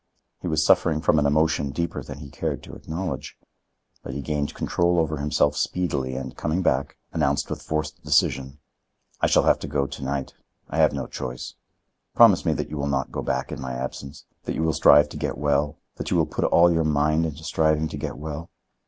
He was suffering from an emotion deeper than he cared to acknowledge. But he gained control over himself speedily and, coming back, announced with forced decision: "I shall have to go to night. I have no choice. Promise me that you will not go back in my absence; that you will strive to get well; that you will put all your mind into striving to get well."